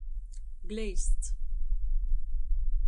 Gleizds.